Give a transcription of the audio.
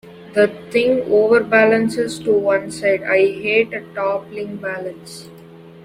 The thing overbalances to one side — I hate a toppling balance.